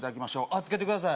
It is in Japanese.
あっつけてください